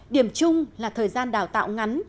điểm chung là thời gian đào tạo ngắn